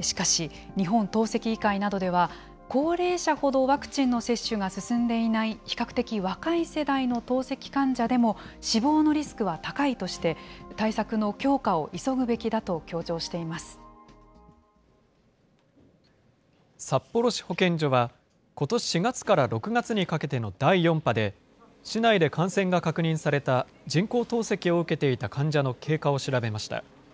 しかし、日本透析医会などでは、高齢者ほどワクチンの接種が進んでいない、比較的若い世代の透析患者でも、死亡のリスクは高いとして、対策の強化を急ぐべきだと札幌市保健所は、ことし４月から６月にかけての第４波で、市内で感染が確認された人工透析を受けていた患者の経過を調べました。